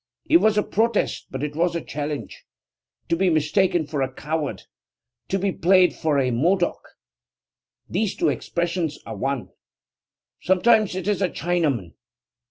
It was a protest, but it was a challenge. To be mistaken for a coward to be played for a Modoc: these two expressions are one. Sometimes it is a Chinaman.